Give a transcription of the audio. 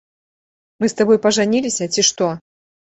Мы з табой пажаніліся, ці што?